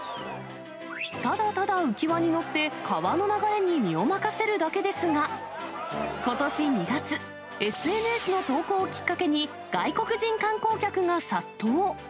ただただ浮き輪に乗って川の流れに身を任せるだけですが、ことし２月、ＳＮＳの投稿をきっかけに、外国人観光客が殺到。